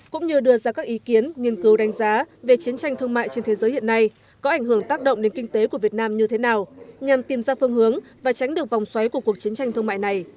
cũng như đưa ra các ý kiến nghiên cứu đánh giá về chiến tranh thương mại trên thế giới hiện nay có ảnh hưởng tác động đến kinh tế của việt nam như thế nào nhằm tìm ra phương hướng và tránh được vòng xoáy của cuộc chiến tranh thương mại này